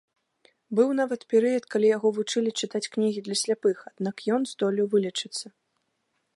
Быў нават перыяд, калі яго вучылі чытаць кнігі для сляпых, аднак ён здолеў вылечыцца.